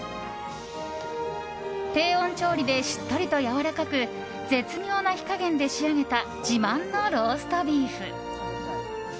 低温調理でしっとりとやわらかく絶妙な火加減で仕上げた自慢のローストビーフ。